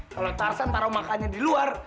kalau tarsan taruh makannya di luar